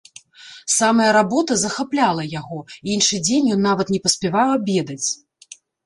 Самая работа захапляла яго, і іншы дзень ён нават не паспяваў абедаць.